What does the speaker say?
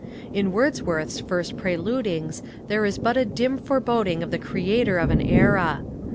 In Wordsworth's first preludings there is but a dim foreboding of the creator of an era.